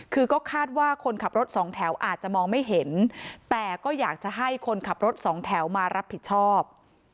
คือก็คาดว่าคนขับรถสองแถวอาจจะมองไม่เห็นแต่ก็อยากจะให้คนขับรถสองแถวมารับผิดชอบ